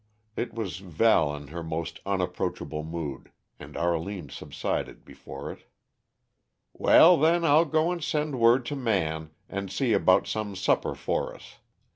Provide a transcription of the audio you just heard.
It was Val in her most unapproachable mood, and Arline subsided before it. "Well, then, I'll go and send word to Man, and see about some supper for us.